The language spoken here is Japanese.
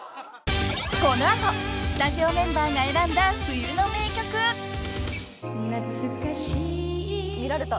［この後スタジオメンバーが選んだ冬の名曲］見られた。